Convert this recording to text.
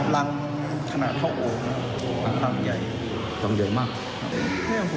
รังขนาดเท่าโอรังใหญ่รังใหญ่มาก